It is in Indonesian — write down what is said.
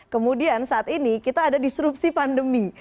kemudian saat ini kita ada disrupsi pandemi